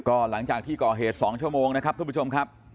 ก็หลังจากที่ก่อเหตุ๒ชั่วโมงนะครับทุกผู้ชมครับ